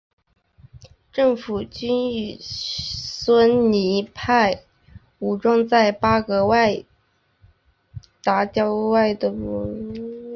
政府军与逊尼派武装在巴格达郊外的巴古拜爆发激战。